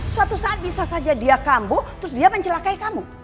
suatu saat bisa saja dia kambo terus dia mencelakai kamu